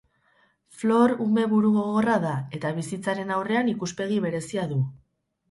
Floor ume burugogorra da eta bizitzaren aurrean ikuspegi berezia du.